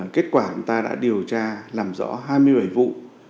kết quả chúng ta đã điều tra làm rõ hai mươi bảy vụ